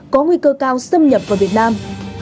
có nguy cơ cao xâm nhập vào việt nam